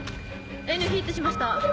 Ｎヒットしました！